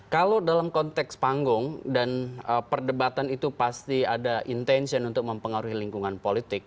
kalau dalam konteks panggung dan perdebatan itu pasti ada intention untuk mempengaruhi lingkungan politik